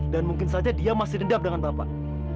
dan mungkin saja dia masih rendam dengan bapak